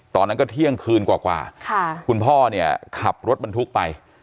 ตอนนั้นก็เที่ยงคืนกว่าคุณพ่อเนี่ยขับรถบรรทุกไป